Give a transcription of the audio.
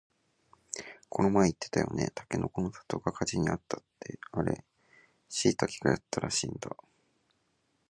この前言ってたよね、たけのこの里が火事にあったってあれしいたけがやったらしいんだ